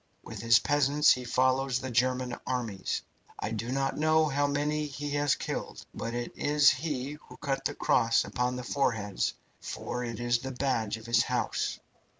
With his peasants he follows the German armies. I do not know how many he has killed, but it is he who cut the cross upon the foreheads, for it is the badge of his house."